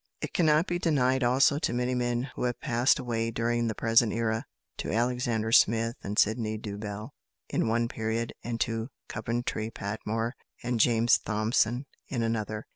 It cannot be denied also to many men who have passed away during the present era to Alexander Smith and Sydney Dobell in one period, and to Coventry Patmore and James Thomson in another.